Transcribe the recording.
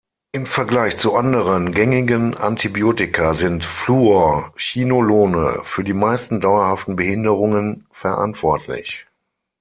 Im Vergleich zu anderen gängigen Antibiotika sind Fluorchinolone für die meisten dauerhaften Behinderungen verantwortlich.